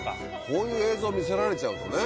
こういう映像見せられちゃうとね。